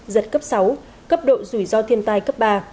giật cấp sáu cấp độ rủi ro thiên tai cấp ba